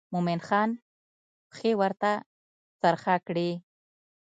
مومن خان پښې ورته څرمه کړې.